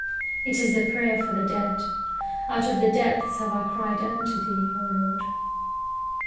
It is the prayer for the dead: "Out of the depths have I cried unto Thee, O Lord."